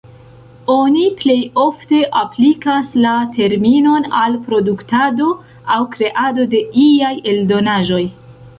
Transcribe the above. Oni plej ofte aplikas la terminon al produktado aŭ kreado de iaj eldonaĵoj.